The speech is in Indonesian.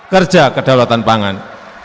kerja ke daulatan pangan